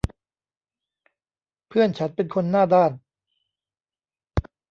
เพื่อนฉันเป็นคนหน้าด้าน